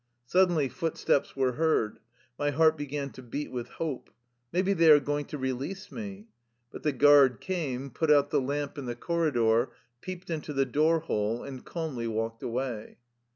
Suddenly footsteps were heard. My heart be gan to beat with hope: Maybe they are going to release me ! But the guard came, put out the lamp in the corridor, peeped into the door hole, and calmly walked away.